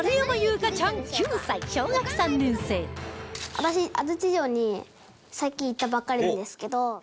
私安土城に最近行ったばっかりなんですけど。